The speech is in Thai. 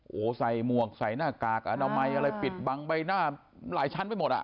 โอ้โหใส่หมวกใส่หน้ากากอนามัยอะไรปิดบังใบหน้าหลายชั้นไปหมดอ่ะ